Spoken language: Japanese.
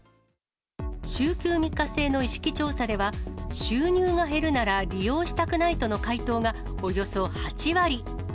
週休３日制の意識調査では、収入が減るなら利用したくないとの回答がおよそ８割。